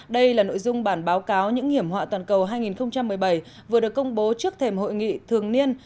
đây là nội dung bản báo cáo những hiểm họa toàn cầu hai nghìn một mươi bảy vừa được công bố trước thềm hội nghị thường niên